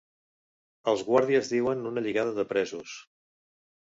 Els guàrdies duien una lligada de presos.